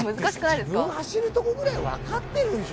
自分走るとこくらいわかってるでしょ？